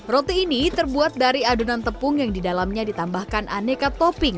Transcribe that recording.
roti ini terbuat dari adonan tepung yang didalamnya ditambahkan aneka topping